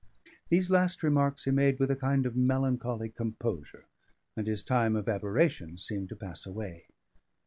These last remarks he made with a kind of melancholy composure, and his time of aberration seemed to pass away.